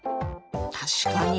確かに。